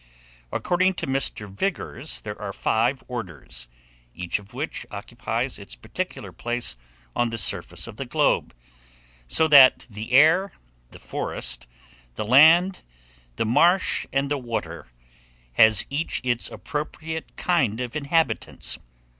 According to Mr. Vigors, there are five orders, each of which occupies its peculiar place on the surface of the globe; so that the air, the forest, the land, the marsh, and the water, has each its appropriate kind of inhabitants.